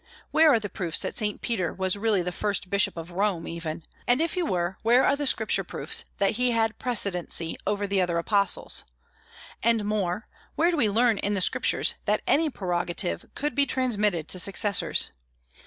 Where are the proofs that Saint Peter was really the first bishop of Rome, even? And if he were, where are the Scripture proofs that he had precedency over the other apostles? And more, where do we learn in the Scriptures that any prerogative could be transmitted to successors?